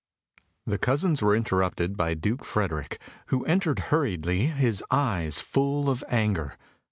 The cousins were interrupted by Duke Frederick, who entered hurriedly, his eyes full of anger.